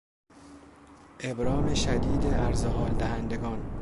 ابرام شدید عرضحال دهندگان